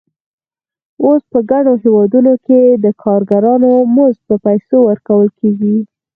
اوس په ګڼو هېوادونو کې د کارګرانو مزد په پیسو ورکول کېږي